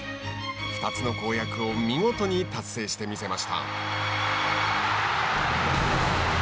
２つの公約を見事に達成してみせました。